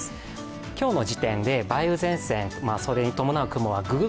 今日の時点で、梅雨前線それに伴う雲がググ